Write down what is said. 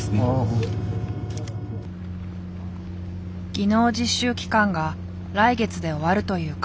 技能実習期間が来月で終わるという彼。